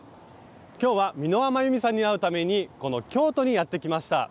今日は美濃羽まゆみさんに会うために京都にやって来ました。